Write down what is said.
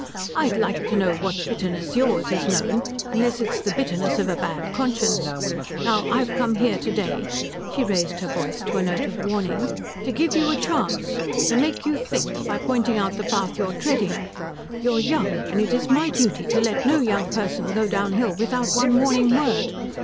"I'd like to know what bitterness yours has known, unless it's the bitterness of a bad conscience. Now I've come here to day" she raised her voice to a note of warning "to give you a chance. To make you think, by pointing out the path you are treading. You are young, and it is my duty to let no young person go downhill without one warning word.